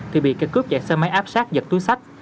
thì bị cây cướp chạy xe máy áp sát giật túi sách